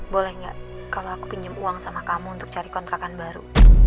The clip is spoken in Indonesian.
boleh nggak kalau aku pinjam uang sama kamu untuk cari kontrakan baru